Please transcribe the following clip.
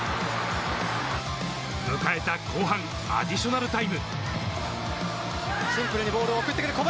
迎えた後半アディショナルタイム。